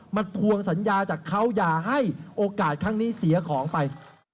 ทวงสัญญาจากเขาอย่าให้โอกาสครั้งนี้เสียของไป